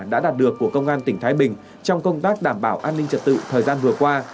đã đạt được của công an tỉnh thái bình trong công tác đảm bảo an ninh trật tự thời gian vừa qua